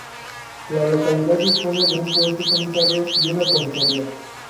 La localidad dispone de un Puesto Sanitario, y una comisaria.